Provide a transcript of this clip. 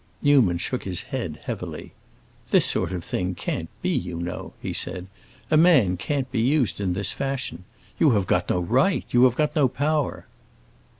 Newman shook his head, heavily. "This sort of thing can't be, you know," he said. "A man can't be used in this fashion. You have got no right; you have got no power."